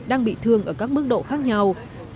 đang bị thương ở các mức độ khác nhau